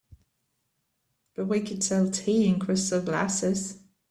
But we could sell tea in crystal glasses.